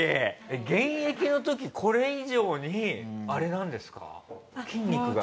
現役の時これ以上にあれなんですか？